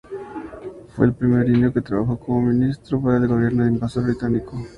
Fue el primer indio que trabajó como ministro para el gobierno invasor británico.